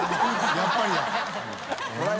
やっぱりだ。